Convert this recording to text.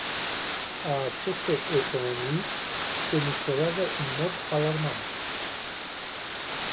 Aceste economii se micșorează în mod alarmant.